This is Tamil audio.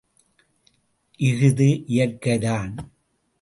இஃது இயற்கை தான்.